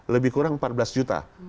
lebih kurang empat belas juta